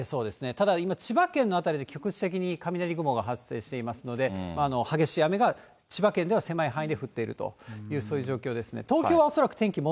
ただ、今、千葉県の辺りで局地的に雷雲が発生していますので、激しい雨が千葉県では狭い範囲で降っているという、そういう状況ですね。